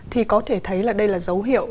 thì có thể thấy là đây là dấu hiệu